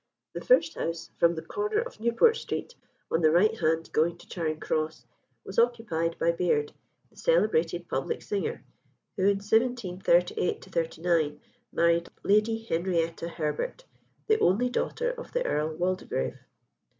The first house from the corner of Newport Street, on the right hand going to Charing Cross, was occupied by Beard, the celebrated public singer, who in 1738 9 married Lady Henrietta Herbert, the only daughter of the Earl Waldegrave.